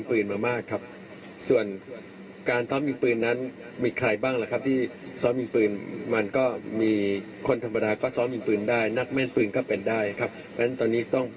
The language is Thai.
เพราะฉะนั้นตอนนี้ที่โฟกัสคือว่าเป็นนักแม่นปืนยิงปืนคล่อง